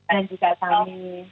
dan juga kami